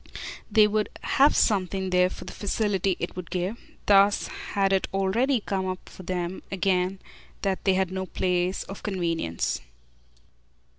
They would "have something" there for the facility it would give. Thus had it already come up for them again that they had no place of convenience.